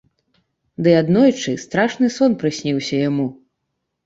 Ды аднойчы страшны сон прысніўся яму.